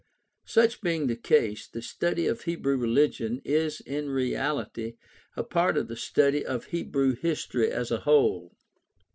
Such being the case, the study of Hebrew religion is in reahty a part of the study of Hebrew history as a whole.